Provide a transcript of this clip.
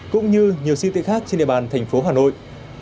cũng như nhiều siêu thị khác trên địa bàn thành phố hà nội